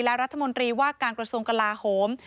และรัฐมนตรีว่าการกระทรวงกลาโหม